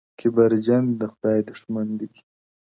o کبرجن د خداى دښمن دئ!